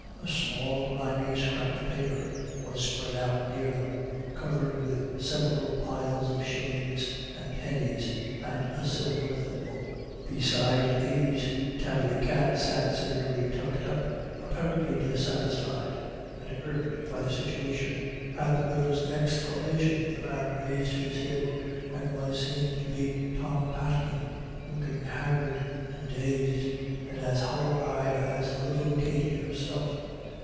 A small grimy scrap of paper was spread out near them, covered with several piles of shillings and pennies, and a silver thimble. Beside these Tib the black cat sat severely tucked up, apparently dissatisfied, and irked by the situation. At the widow's exclamation the man raised his head, and was seen to be Tom Patman, looking haggard and dazed, and as hollow eyed as little Katty herself.